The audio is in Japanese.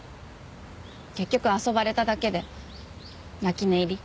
結局遊ばれただけで泣き寝入り。